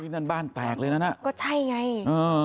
นั่นบ้านแตกเลยนะน่ะอืมอืมอืมอืมอืมอืมอืมอืมอืมอืมอืมอืม